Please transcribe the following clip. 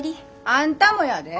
あんたもやで。